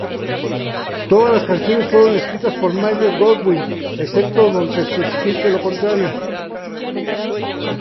Todas las canciones fueron escritas por Myles Goodwyn, excepto donde se especifique lo contrario.